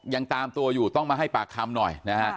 ยังตามตัวอยู่ต้องมาให้ปากคำหน่อยนะฮะ